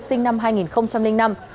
sinh năm hai nghìn năm